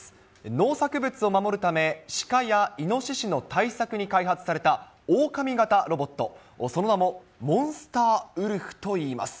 農作物を守るため、シカやイノシシの対策に開発されたオオカミ型ロボット、その名もモンスターウルフといいます。